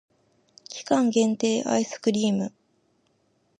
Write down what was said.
期間限定アイスクリーム